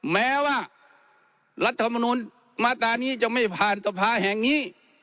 แม้ว่ารัฐมนุนมาตรานี้จะไม่ผ่านสภาแห่งนี้